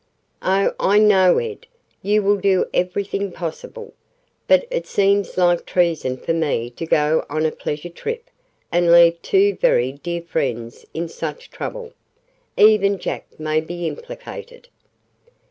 "Oh, I know, Ed, you will do everything possible. But it seems like treason for me to go on a pleasure trip and leave two very dear friends in such trouble. Even Jack may be implicated."